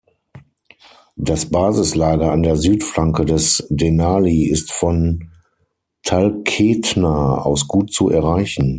Das Basislager an der Südflanke des Denali ist von Talkeetna aus gut zu erreichen.